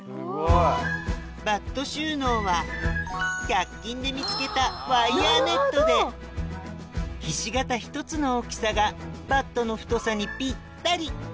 バット収納は１００均で見つけたひし形１つの大きさがバットの太さにピッタリ！